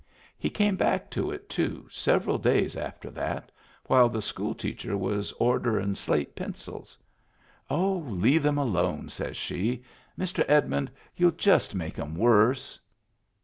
He came back to it too, several days after that, while the school teacher was orderin' slate pencils. "Oh, leave them alone, says she. "Mr. Edmund, you'll just make *em worse."